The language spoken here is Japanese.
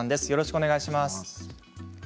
よろしくお願いします。